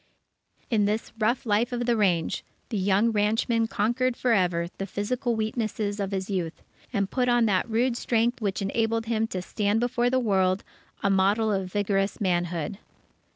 In this rough life of the range, the young ranchman conquered for ever the physical weaknesses of his youth, and put on that rude strength which enabled him to stand before the world, a model of vigorous manhood.